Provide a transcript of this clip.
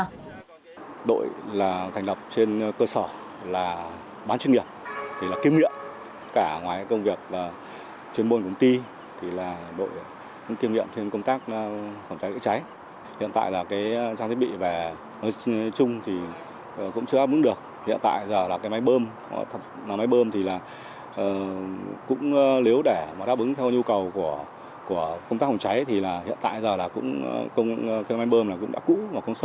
hiện tại giờ công máy bơm cũng đã cũ công suất cũng chưa đồng được